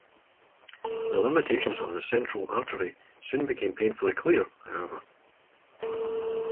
The limitations of the Central Artery soon became painfully clear, however.